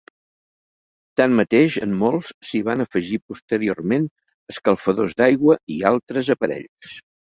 Tanmateix, en molts s'hi van afegir posteriorment escalfadors d'aigua i altres aparells.